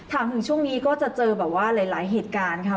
ถึงช่วงนี้ก็จะเจอแบบว่าหลายเหตุการณ์ค่ะ